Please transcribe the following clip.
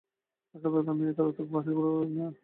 সাধারণত আমি এত রাতে বাহিরে ঘুরাঘুরি করি না।